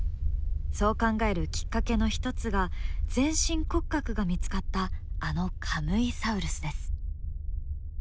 そう考えるきっかけの一つが全身骨格が見つかったあのカムイサウルスです。